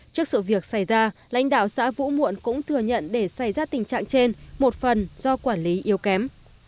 trước sự việc xảy ra lãnh đạo xã vũ muộn cũng thừa nhận để xảy ra tình trạng trên một phần do quản lý yếu kém